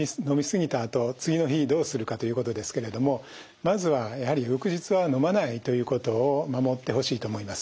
あと次の日どうするかということですけれどもまずはやはり翌日は飲まないということを守ってほしいと思います。